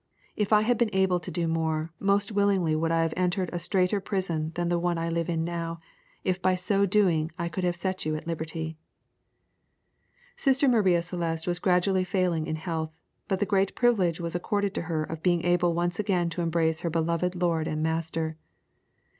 If I had been able to do more, most willingly would I have entered a straiter prison than the one I live in now, if by so doing I could have set you at liberty." [PLATE: CREST OF GALILEO'S FAMILY.] Sister Maria Celeste was gradually failing in health, but the great privilege was accorded to her of being able once again to embrace her beloved lord and master.